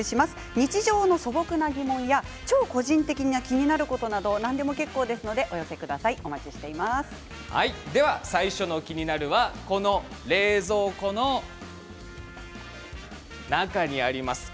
日常の素朴な疑問や超個人的な気になることなど何でも最初の「キニナル」冷蔵庫の中にあります